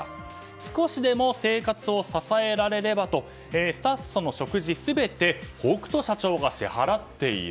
少しでも生活を支えられればとスタッフとの食事全て北斗社長が支払っている。